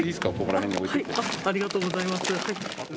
ありがとうございます。